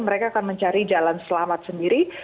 mereka akan mencari jalan selamat sendiri